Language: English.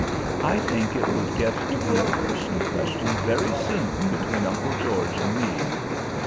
"I think it would get to be a personal question very soon between Uncle George and me.